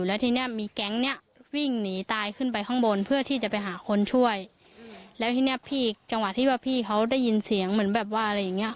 แล้วทีนี้พี่จังหวะที่ว่าพี่เขาได้ยินเสียงเหมือนแบบว่าอะไรอย่างเนี่ย